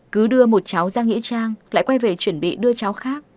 cứ đưa một cháu ra nghĩa trang lại quay về chuẩn bị đưa cháu khác